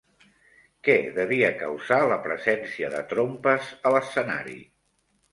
Què devia causar la presència de trompes a l'escenari?